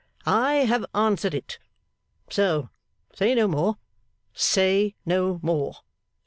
'I have answered it. So, say no more. Say no more.